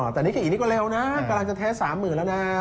อ๋อแต่นิข่าวอีกนิข่าวเร็วนะกำลังจะแท้๓๐๐๐๐แล้วนะ